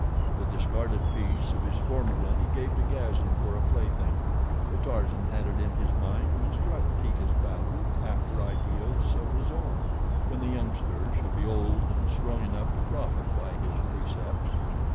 The discarded piece of his former one he gave to Gazan for a plaything, for Tarzan had it in his mind to instruct Teeka's balu after ideas of his own when the youngster should be old and strong enough to profit by his precepts.